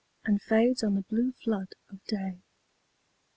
And fades on the blue flood of day.